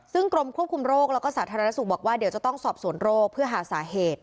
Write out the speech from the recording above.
ซึ่งกรมควบคุมโรคแล้วก็สาธารณสุขบอกว่าเดี๋ยวจะต้องสอบสวนโรคเพื่อหาสาเหตุ